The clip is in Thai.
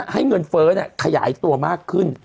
เฟิร์นเนี่ยขยายตัวมากขึ้น